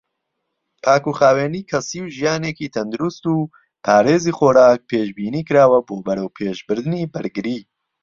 پاکوخاوێنی کەسی و ژیانێکی تەندروست و پارێزی خۆراک پێشبینیکراوە بۆ بەرەوپێشبردنی بەرگری.